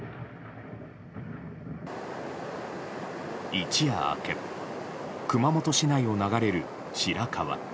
一夜明け、熊本市内を流れる白川。